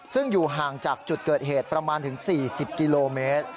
ซึ่งอยู่ห่างจากจุดเกิดเหตุประมาณถึง๔๐กิโลเมตร